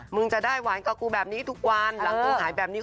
แล้วหายแบบนี้ทุกวันหลังตัวหายแบบนี้